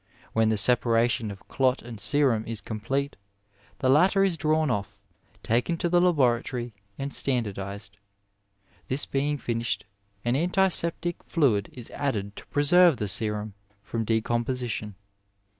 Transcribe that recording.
When the separation of clot and serum is complete, the latter is drawn ofi, taken to the laboratory, and standardized. This being finished, an antiseptic fluid is added to pre serve the serum from decomposition.